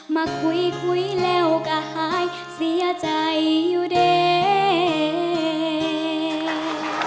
มาคุยแล้วก็หายเสียใจอยู่เด้น